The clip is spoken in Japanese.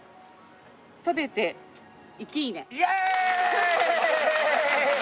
「食べていきーね！」